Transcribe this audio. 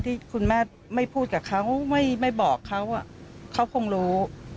ที่คุณแม่ไม่พูดกับเขาไม่บอกเขาเขาคงรู้